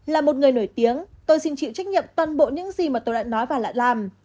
là một người nổi tiếng tôi xin chịu trách nhiệm toàn bộ những gì mà tôi đã nói và lại làm